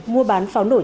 mua bán pháo nổi truyền